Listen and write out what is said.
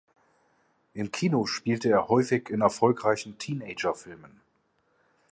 Im Kino spielte er häufig in erfolgreichen Teenager-Filmen.